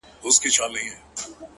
هغه د بل د كور ډېوه جوړه ده-